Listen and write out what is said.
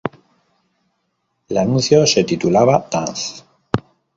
El anuncio se titulaba "Dance".